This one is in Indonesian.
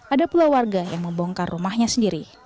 ada pula warga yang membongkar rumahnya sendiri